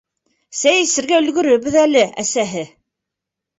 — Сәй эсергә өлгөрөрбөҙ әле, әсәһе.